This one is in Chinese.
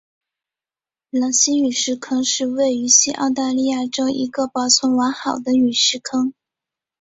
狼溪陨石坑是位于西澳大利亚州一个保存完好的陨石坑。